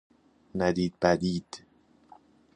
ندید بدید